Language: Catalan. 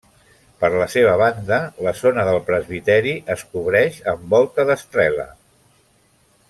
Per la seva banda la zona del presbiteri es cobreix amb volta d'estrela.